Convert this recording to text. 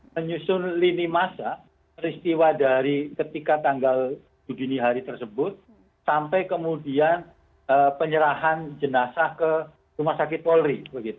menyusun lini masa peristiwa dari ketika tanggal judini hari tersebut sampai kemudian penyerahan jenazah ke rumah sakit polri